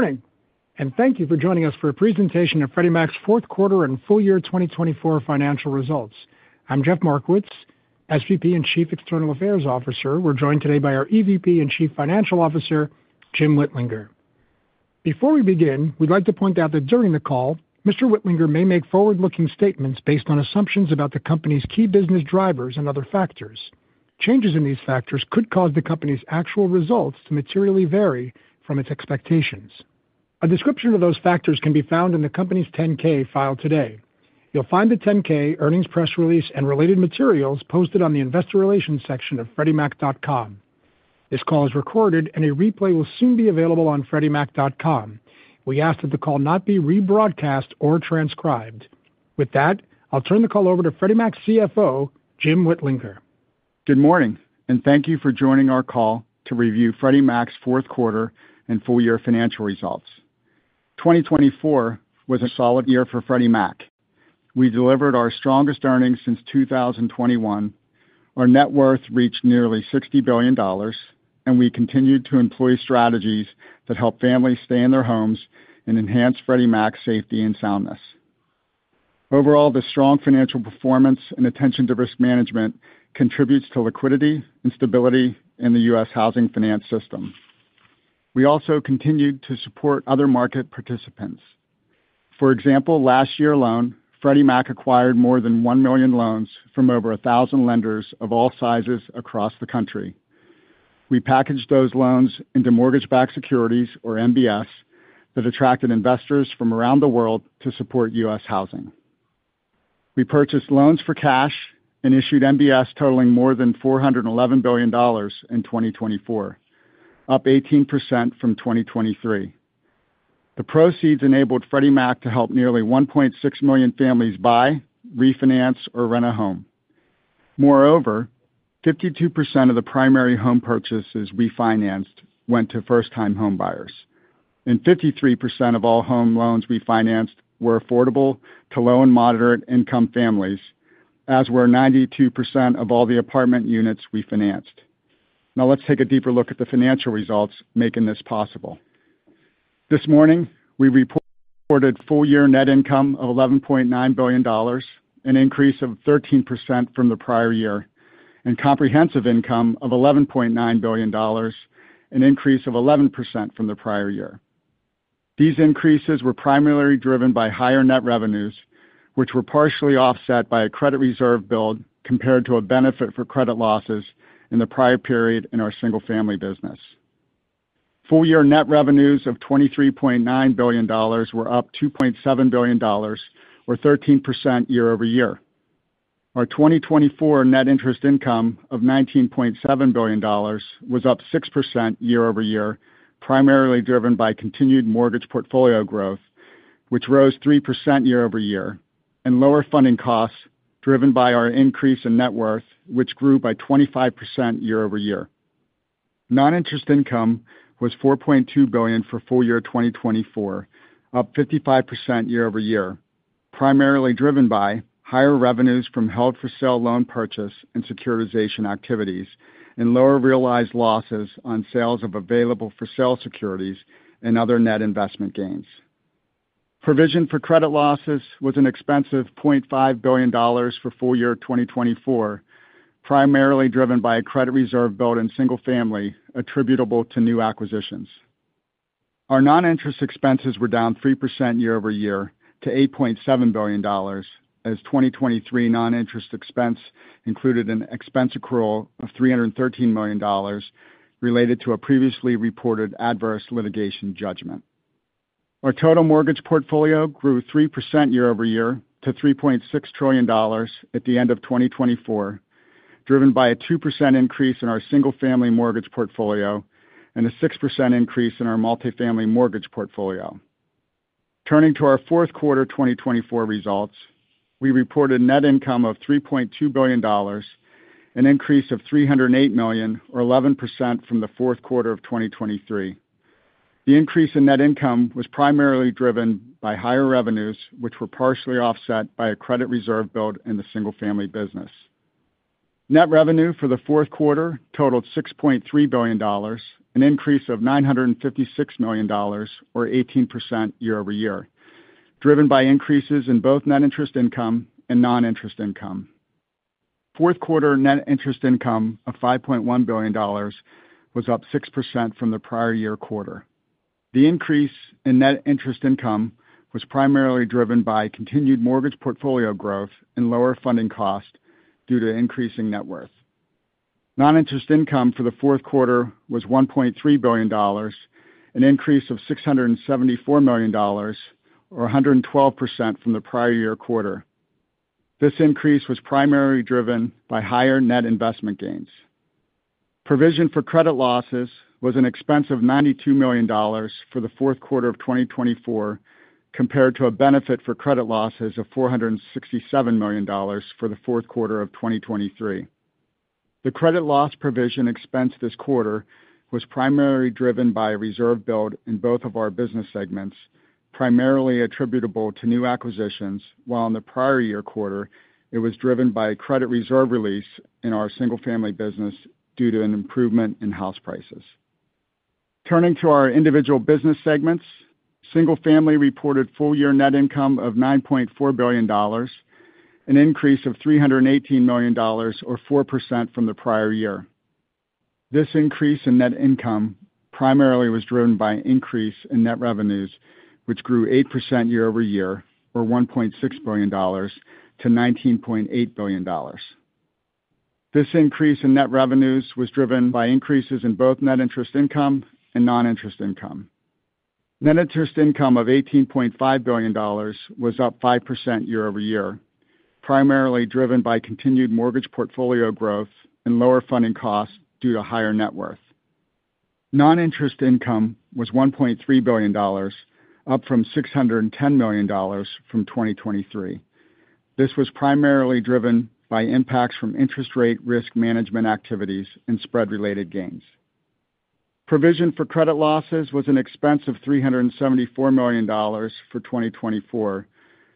Good morning, and thank you for joining us for a presentation of Freddie Mac's fourth quarter and full year 2024 financial results. I'm Jeff Markowitz, SVP and Chief External Affairs Officer. We're joined today by our EVP and CFO, Jim Whitlinger. Before we begin, we'd like to point out that during the call, Mr. Whitlinger may make forward-looking statements based on assumptions about the company's key business drivers and other factors. Changes in these factors could cause the company's actual results to materially vary from its expectations. A description of those factors can be found in the company's 10-K filed today. You'll find the 10-K earnings press release and related materials posted on the investor relations section of freddiemac.com. This call is recorded, and a replay will soon be available on freddiemac.com. We ask that the call not be rebroadcast or transcribed. With that, I'll turn the call over to Freddie Mac's CFO, Jim Whitlinger. Good morning, and thank you for joining our call to review Freddie Mac's fourth quarter and full year financial results. 2024 was a solid year for Freddie Mac. We delivered our strongest earnings since 2021. Our net worth reached nearly $60 billion, and we continued to employ strategies that help families stay in their homes and enhance Freddie Mac's safety and soundness. Overall, the strong financial performance and attention to risk management contributes to liquidity and stability in the U.S. housing finance system. We also continued to support other market participants. For example, last year alone, Freddie Mac acquired more than 1 million loans from over 1,000 lenders of all sizes across the country. We packaged those loans into mortgage-backed securities, or MBS, that attracted investors from around the world to support U.S. housing. We purchased loans for cash and issued MBS totaling more than $411 billion in 2024, up 18% from 2023. The proceeds enabled Freddie Mac to help nearly 1.6 million families buy, refinance, or rent a home. Moreover, 52% of the primary home purchases we financed went to first-time homebuyers, and 53% of all home loans we financed were affordable to low and moderate-income families, as were 92% of all the apartment units we financed. Now let's take a deeper look at the financial results making this possible. This morning, we reported full year net income of $11.9 billion, an increase of 13% from the prior year, and comprehensive income of $11.9 billion, an increase of 11% from the prior year. These increases were primarily driven by higher net revenues, which were partially offset by a credit reserve build compared to a benefit for credit losses in the prior period in our single-family business. Full year net revenues of $23.9 billion were up $2.7 billion, or 13% year-over-year. Our 2024 net interest income of $19.7 billion was up 6% year-over-year, primarily driven by continued mortgage portfolio growth, which rose 3% year-over-year, and lower funding costs driven by our increase in net worth, which grew by 25% year-over-year. Non-interest income was $4.2 billion for full year 2024, up 55% year-over-year, primarily driven by higher revenues from held-for-sale loan purchase and securitization activities and lower realized losses on sales of available-for-sale securities and other net investment gains. Provision for credit losses was an expense of $0.5 billion for full year 2024, primarily driven by a credit reserve build in single-family attributable to new acquisitions. Our non-interest expenses were down 3% year-over-year to $8.7 billion, as 2023 non-interest expense included an expense accrual of $313 million related to a previously reported adverse litigation judgment. Our total mortgage portfolio grew 3% year- over-year to $3.6 trillion at the end of 2024, driven by a 2% increase in our single-family mortgage portfolio and a 6% increase in our Multifamily mortgage portfolio. Turning to our fourth quarter 2024 results, we reported net income of $3.2 billion, an increase of $308 million, or 11% from the fourth quarter of 2023. The increase in net income was primarily driven by higher revenues, which were partially offset by a credit reserve build in the single-family business. Net revenue for the fourth quarter totaled $6.3 billion, an increase of $956 million, or 18% year-over-year, driven by increases in both net interest income and non-interest income. Fourth quarter net interest income of $5.1 billion was up 6% from the prior year quarter. The increase in net interest income was primarily driven by continued mortgage portfolio growth and lower funding costs due to increasing net worth. Non-interest income for the fourth quarter was $1.3 billion, an increase of $674 million, or 112% from the prior year quarter. This increase was primarily driven by higher net investment gains. Provision for credit losses was an expense of $92 million for the fourth quarter of 2024, compared to a benefit for credit losses of $467 million for the fourth quarter of 2023. The credit loss provision expense this quarter was primarily driven by a reserve build in both of our business segments, primarily attributable to new acquisitions, while in the prior year quarter, it was driven by a credit reserve release in our single-family business due to an improvement in house prices. Turning to our individual business segments, single-family reported full year net income of $9.4 billion, an increase of $318 million, or 4% from the prior year. This increase in net income primarily was driven by an increase in net revenues, which grew 8% year-over-year, or $1.6 billion to $19.8 billion. This increase in net revenues was driven by increases in both net interest income and non-interest income. Net interest income of $18.5 billion was up 5% year-over-year, primarily driven by continued mortgage portfolio growth and lower funding costs due to higher net worth. Non-interest income was $1.3 billion, up from $610 million from 2023. This was primarily driven by impacts from interest rate risk management activities and spread-related gains. Provision for credit losses was an expense of $374 million for 2024,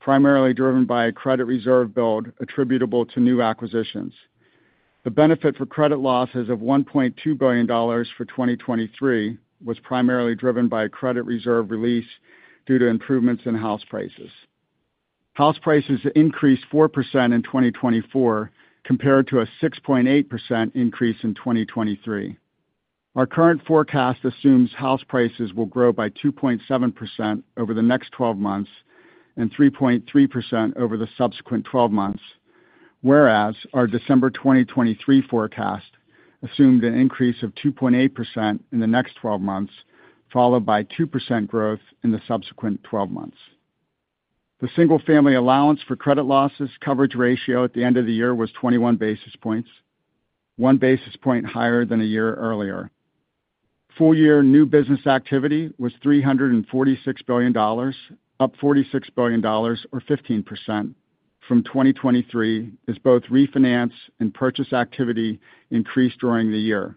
primarily driven by a credit reserve build attributable to new acquisitions. The benefit for credit losses of $1.2 billion for 2023 was primarily driven by a credit reserve release due to improvements in house prices. House prices increased 4% in 2024, compared to a 6.8% increase in 2023. Our current forecast assumes house prices will grow by 2.7% over the next 12 months and 3.3% over the subsequent 12 months, whereas our December 2023 forecast assumed an increase of 2.8% in the next 12 months, followed by 2% growth in the subsequent 12 months. The single-family allowance for credit losses coverage ratio at the end of the year was 21 basis points, one basis point higher than a year earlier. Full year new business activity was $346 billion, up $46 billion, or 15% from 2023, as both refinance and purchase activity increased during the year.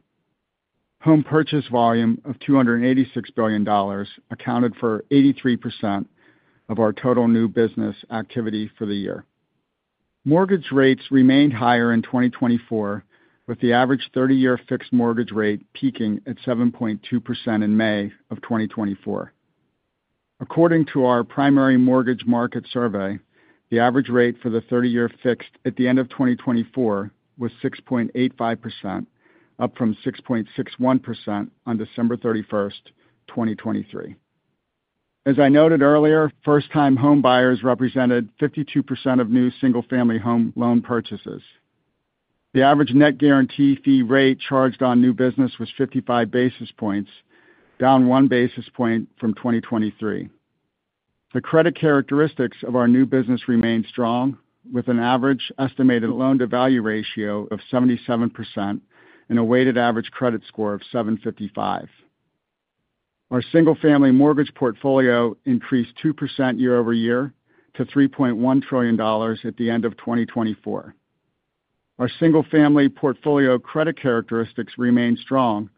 Home purchase volume of $286 billion accounted for 83% of our total new business activity for the year. Mortgage rates remained higher in 2024, with the average 30-year fixed mortgage rate peaking at 7.2% in May of 2024. According to our Primary Mortgage Market Survey, the average rate for the 30-year fixed at the end of 2024 was 6.85%, up from 6.61% on December 31st, 2023. As I noted earlier, first-time homebuyers represented 52% of new single-family home loan purchases. The average net guarantee fee rate charged on new business was 55 basis points, down one basis point from 2023. The credit characteristics of our new business remained strong, with an average estimated loan-to-value ratio of 77% and a weighted average credit score of 755. Our single-family mortgage portfolio increased 2% year-over-year to $3.1 trillion at the end of 2024. Our single-family portfolio credit characteristics remained strong,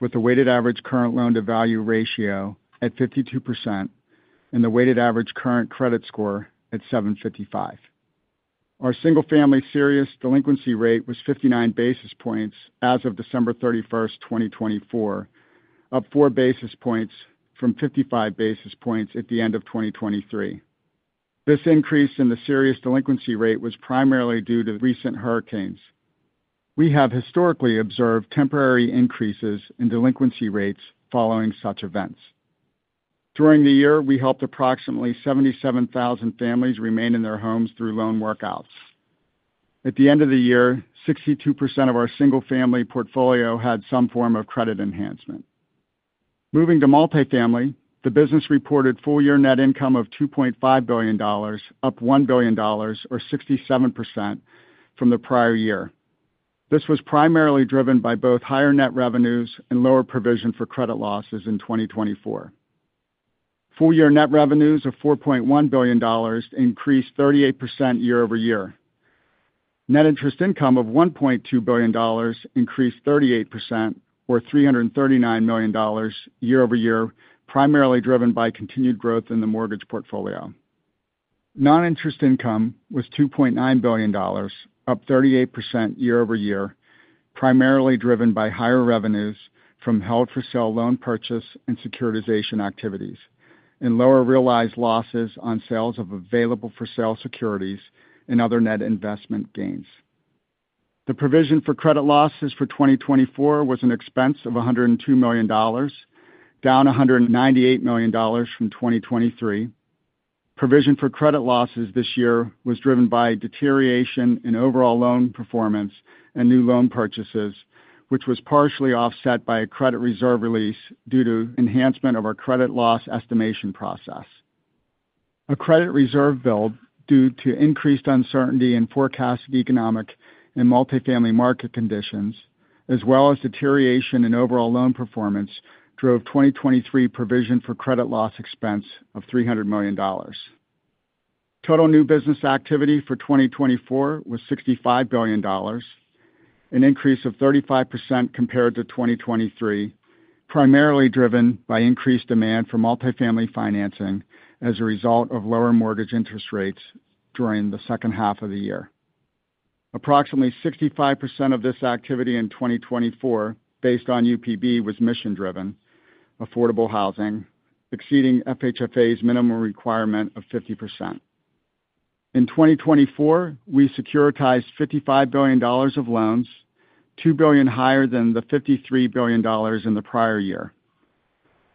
with a weighted average current loan-to-value ratio at 52% and the weighted average current credit score at 755. Our single-family serious delinquency rate was 59 basis points as of December 31st, 2024, up four basis points from 55 basis points at the end of 2023. This increase in the serious delinquency rate was primarily due to recent hurricanes. We have historically observed temporary increases in delinquency rates following such events. During the year, we helped approximately 77,000 families remain in their homes through loan workouts. At the end of the year, 62% of our single-family portfolio had some form of credit enhancement. Moving to Multifamily, the business reported full year net income of $2.5 billion, up $1 billion, or 67% from the prior year. This was primarily driven by both higher net revenues and lower provision for credit losses in 2024. Full year net revenues of $4.1 billion increased 38% year-over-year. Net interest income of $1.2 billion increased 38%, or $339 million year-over-year, primarily driven by continued growth in the mortgage portfolio. Non-interest income was $2.9 billion, up 38% year-over-year, primarily driven by higher revenues from held-for-sale loan purchase and securitization activities and lower realized losses on sales of available-for-sale securities and other net investment gains. The provision for credit losses for 2024 was an expense of $102 million, down $198 million from 2023. Provision for credit losses this year was driven by deterioration in overall loan performance and new loan purchases, which was partially offset by a credit reserve release due to enhancement of our credit loss estimation process. A credit reserve build due to increased uncertainty in forecasted economic and Multifamily market conditions, as well as deterioration in overall loan performance, drove 2023 provision for credit loss expense of $300 million. Total new business activity for 2024 was $65 billion, an increase of 35% compared to 2023, primarily driven by increased demand for Multifamily financing as a result of lower mortgage interest rates during the second half of the year. Approximately 65% of this activity in 2024, based on UPB, was mission-driven, affordable housing, exceeding FHFA's minimum requirement of 50%. In 2024, we securitized $55 billion of loans, $2 billion higher than the $53 billion in the prior year.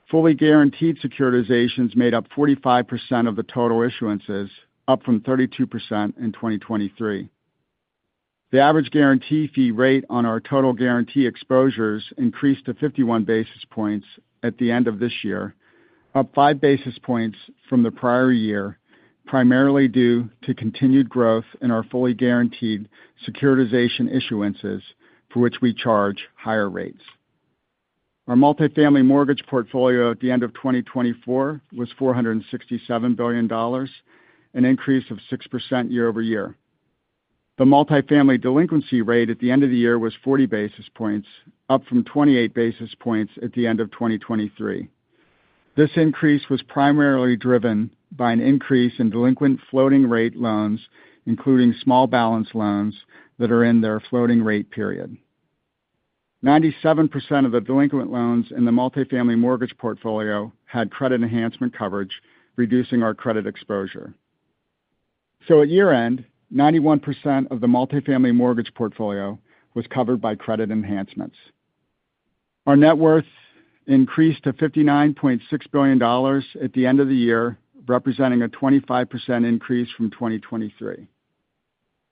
Fully guaranteed securitizations made up 45% of the total issuances, up from 32% in 2023. The average guarantee fee rate on our total guarantee exposures increased to 51 basis points at the end of this year, up 5 basis points from the prior year, primarily due to continued growth in our fully guaranteed securitization issuances, for which we charge higher rates. Our Multifamily mortgage portfolio at the end of 2024 was $467 billion, an increase of 6% year-over-year. The Multifamily delinquency rate at the end of the year was 40 basis points, up from 28 basis points at the end of 2023. This increase was primarily driven by an increase in delinquent floating-rate loans, including Small Balance Loans that are in their floating-rate period. 97% of the delinquent loans in the Multifamily mortgage portfolio had credit enhancement coverage, reducing our credit exposure. So, at year-end, 91% of the Multifamily mortgage portfolio was covered by credit enhancements. Our net worth increased to $59.6 billion at the end of the year, representing a 25% increase from 2023.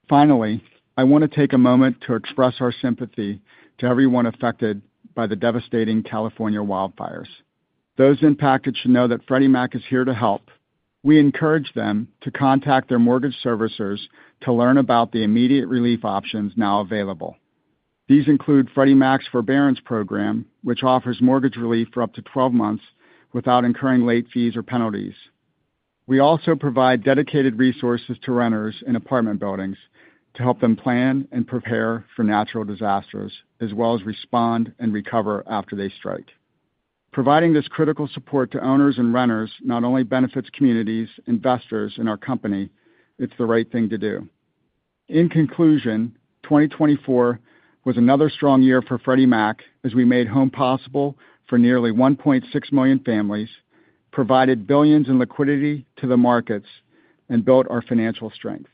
Finally, I want to take a moment to express our sympathy to everyone affected by the devastating California wildfires. Those impacted should know that Freddie Mac is here to help. We encourage them to contact their mortgage servicers to learn about the immediate relief options now available. These include Freddie Mac's forbearance program, which offers mortgage relief for up to 12 months without incurring late fees or penalties. We also provide dedicated resources to renters in apartment buildings to help them plan and prepare for natural disasters, as well as respond and recover after they strike. Providing this critical support to owners and renters not only benefits communities, investors, and our company. It's the right thing to do. In conclusion, 2024 was another strong year for Freddie Mac, as we made home possible for nearly 1.6 million families, provided billions in liquidity to the markets, and built our financial strength.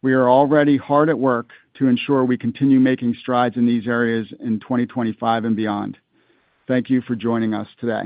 We are already hard at work to ensure we continue making strides in these areas in 2025 and beyond. Thank you for joining us today.